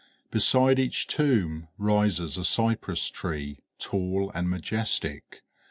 Beside each tomb rises a cypress tree, tall and majestic.